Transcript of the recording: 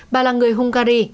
bà là người hungary